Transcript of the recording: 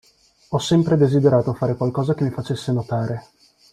Ho sempre desiderato fare qualcosa che mi facesse notare.